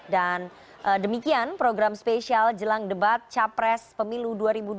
dan demikian program spesial jelang debat capres pemilu dua ribu dua puluh empat